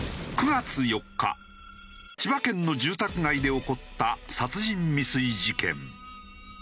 ９月４日千葉県の住宅街で起こった殺人未遂事件。